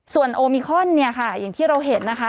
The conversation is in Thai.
ส่วนโอมิคอนเนี่ยค่ะอย่างที่เราเห็นนะคะ